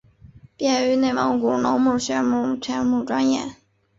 毕业于内蒙古农牧学院畜牧专业。